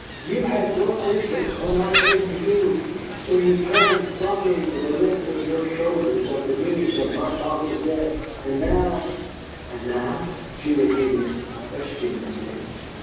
"You had your vengeance when I came to you, when you turned from me with a lift of your shoulders at the news of my father's death. And now " "And now?" she repeated questioningly.